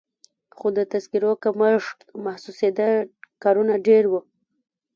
خو د تذکیرو کمښت محسوسېده، کارونه ډېر وو.